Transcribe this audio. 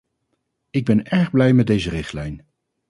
Ik ben erg blij met deze richtlijn.